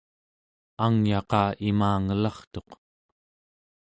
angyaqa imangelartuq